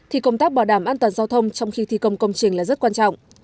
thì công tác bảo đảm an toàn giao thông trong khi thi công công trình là rất quan trọng